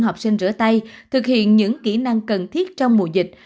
học sinh rửa tay thực hiện những kỹ năng cần thiết trong mùa dịch